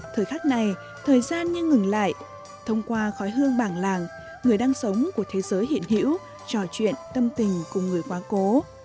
thời khắc này thời gian như ngừng lại thông qua khói hương bảng làng người đang sống của thế giới hiện hiểu trò chuyện tâm tình của người quá cố